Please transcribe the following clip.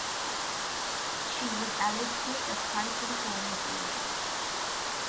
She was allegedly a spy for the Soviet Union.